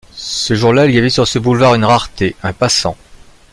Ce jour-là, il y avait sur ce boulevard une rareté, un passant.